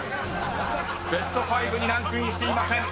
［ベスト５にランクインしていません。